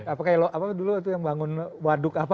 apa dulu itu yang bangun waduk apa